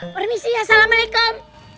permisi ya assalamualaikum